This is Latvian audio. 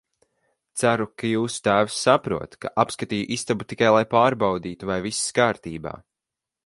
Ceru, ka jūsu tēvs saprot, ka apskatīju istabu tikai, lai pārbaudītu, vai viss kārtībā.